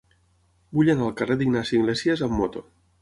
Vull anar al carrer d'Ignasi Iglésias amb moto.